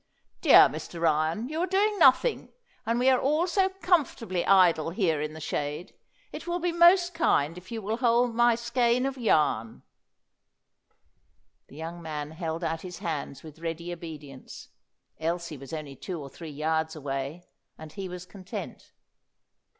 "Dear Mr. Ryan, you are doing nothing, and we are all so comfortably idle here in the shade. It will be most kind if you will hold my skein of yarn." The young man held out his hands with ready obedience. Elsie was only two or three yards away, and he was content.